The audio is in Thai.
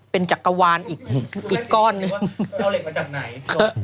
เป็นจักรวาลอีกก้อนหนึ่งเอาเหล็กมาจากไหน